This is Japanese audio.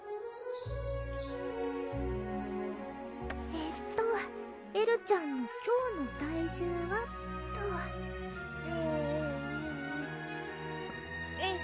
えっと「エルちゃんの今日の体重は」っとえるぅえる！